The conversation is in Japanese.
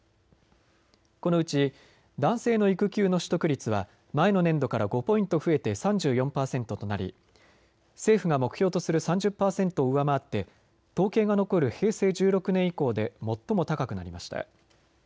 このうち男性の育休の取得率は前の年度から５ポイント増えて３４％となり、政府が目標とする３０％を上回って統計が残る平成１６年以降で最も高くなりました。